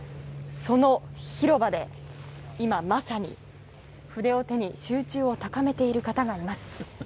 その広場で今、まさに筆を手に集中を高めている方がいます。